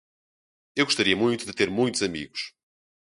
Eu gostaria muito de ter muitos amigos